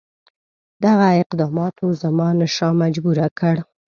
دغه اقداماتو زمانشاه مجبور کړ.